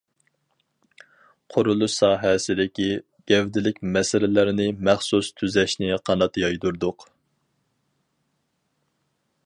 قۇرۇلۇش ساھەسىدىكى گەۋدىلىك مەسىلىلەرنى مەخسۇس تۈزەشنى قانات يايدۇردۇق.